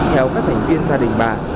hèo các thành viên gia đình bà